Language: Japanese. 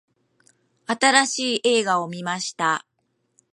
新しい映画を観ました。